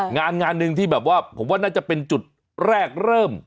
งานงานหนึ่งที่แบบว่าผมว่าน่าจะเป็นจุดแรกเริ่ม